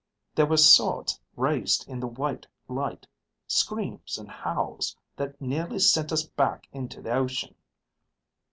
There were swords raised in the white light, screams, and howls that nearly sent us back into the ocean.